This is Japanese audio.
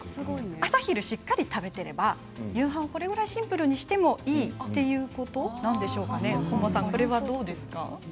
朝昼しっかり食べていれば夕飯もこれくらいシンプルにしてもいいということなんですね